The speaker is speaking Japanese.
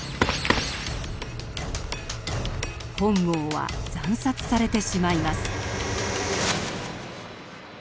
本郷は惨殺されてしまいます。